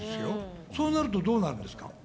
そうなるとどうなるんですか？